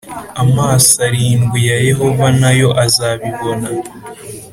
Amaso arindwi ya Yehova na yo azabibona.